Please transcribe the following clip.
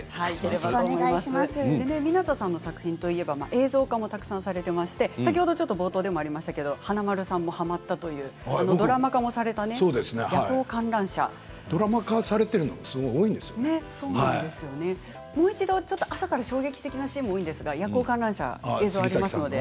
湊さんの作品といえば映像化もたくさんされているんですけれど先ほど冒頭でもありましたけれど華丸さんがはまったというドラマ化もされたドラマ化されているのが朝から衝撃的なシーンですが「夜行観覧車」の映像があります。